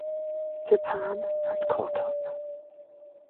Japan had caught up.